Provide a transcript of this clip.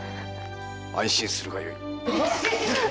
安心するがよい。